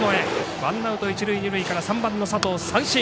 ワンアウト一塁、二塁から３番、佐藤、三振。